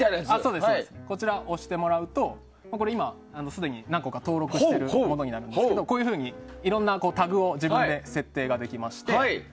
こちらを押してもらうと、すでに何個か登録しているものになるんですけどこういうふうにいろんなタグを自分で設定できまして。